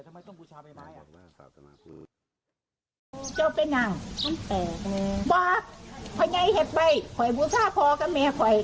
เออจะเป็นอย่างอย่างนั้นแปลงเหลี่ยงแล้วนั่งเบียวเอามาอย่างบุ๊คทำปลอม